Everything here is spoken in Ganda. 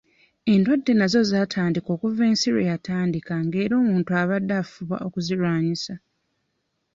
Endwadde nazo zaatandika okuva ensi lwe yatandika ng'era omuntu abadde afuba okuzirwanisa.